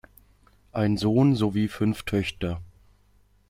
Ein Sohn sowie fünf Töchter.